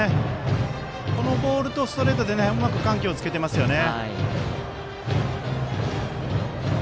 そのボールとストレートでうまく緩急をつけていますね。